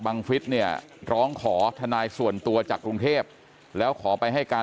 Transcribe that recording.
ฟิศเนี่ยร้องขอทนายส่วนตัวจากกรุงเทพแล้วขอไปให้การ